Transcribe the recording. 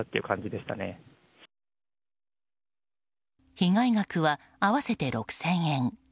被害額は合わせて６０００円。